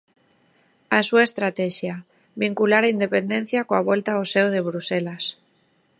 A súa estratexia: vincular a independencia coa volta ao seo de Bruxelas.